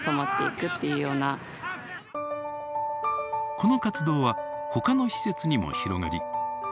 この活動はほかの施設にも広がり